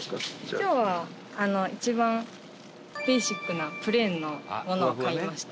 今日は、一番ベーシックなプレーンのものを買いました。